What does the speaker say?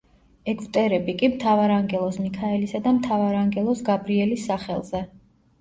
ეგვტერები კი მთავარანგელოზ მიქაელისა და მთავარანგელოზ გაბრიელის სახელზე.